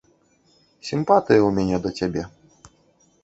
Сімпатыя ў мяне да цябе.